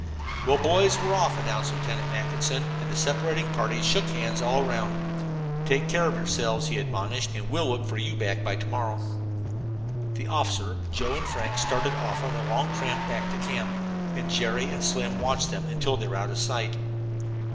"Well, boys; we're off," announced Lieutenant Mackinson, and the separating parties shook hands all around. "Take care of yourselves," he admonished, "and we'll look for you back by to morrow." The officer, Joe and Frank started off on their long tramp back to camp, and Jerry and Slim watched them until they were out of sight.